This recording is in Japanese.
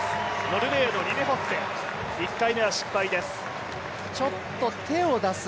ノルウェーのリレフォッセ、１回目は失敗です。